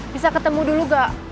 bisa ketemu dulu gak